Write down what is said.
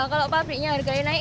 kalau pabriknya harganya naik